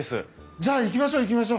じゃあ行きましょ行きましょ。